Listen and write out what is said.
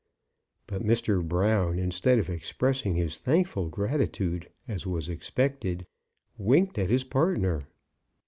But Mr. Brown, instead of expressing his thankful gratitude, as was expected, winked at his partner.